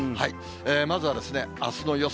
まずはですね、あすの予想